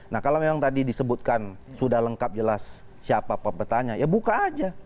nah kalau memang tadi disebutkan sudah lengkap jelas siapa pepetanya ya buka aja